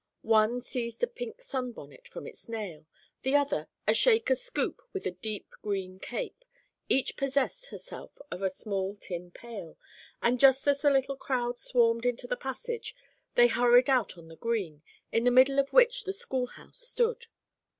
One seized a pink sun bonnet from its nail, the other a Shaker scoop with a deep green cape; each possessed herself of a small tin pail, and just as the little crowd swarmed into the passage, they hurried out on the green, in the middle of which the schoolhouse stood.